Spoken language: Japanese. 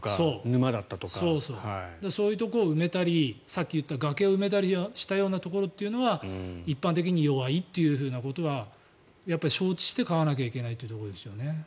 そういうところを埋めたりさっき言った崖を埋めたりしたようなところは一般的に弱いということは承知して買わなきゃいけないというところですよね。